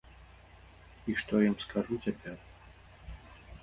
І што я ім скажу цяпер?